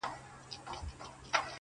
بېړۍ خپل سفر له سره وو نیولی -